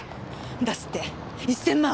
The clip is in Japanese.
出すって１，０００万！